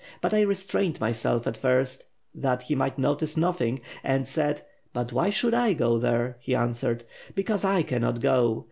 But I restrained myself at first, that he might notice nothing, and said: *But why should I go there?' He answered, 'Because I cannot go.